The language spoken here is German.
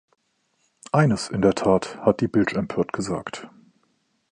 ‚Eines, in der Tat!‘, hat die Bilche empört gesagt.